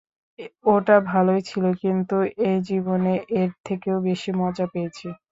ওটা ভালই ছিল, কিন্তু এ জীবনে এর থেকেও বেশি মজা পেয়েছি।